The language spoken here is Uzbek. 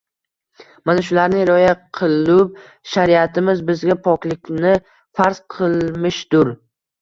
Mana shularni rioya qilub, shariatimiz bizga poklikni farz qilmishdur